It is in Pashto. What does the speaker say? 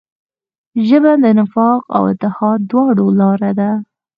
ژبه د نفاق او اتحاد دواړو لاره ده